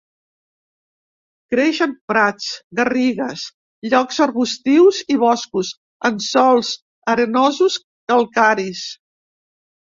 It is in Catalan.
Creix en prats, garrigues, llocs arbustius i boscos, en sòls arenosos calcaris.